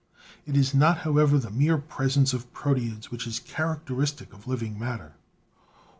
It is not, however, the mere presence of proteids which is characteristic of living matter.